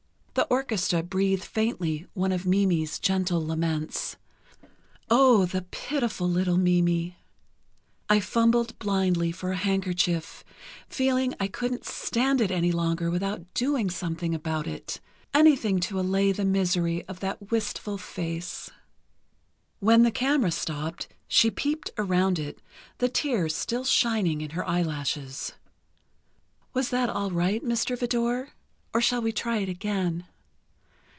The orchestra breathed faintly one of Mimi's gentle laments—oh, the pitiful little Mimi! I fumbled blindly for a handkerchief, feeling I couldn't stand it any longer without doing something about it—anything to allay the misery of that wistful face. When the camera stopped, she peeped around it, the tears still shining in her eyelashes. "Was that all right, Mr. Vidor? Or shall we try it again?"